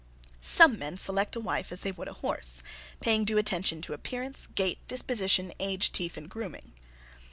Some men select a wife as they would a horse, paying due attention to appearance, gait, disposition, age, teeth, and grooming.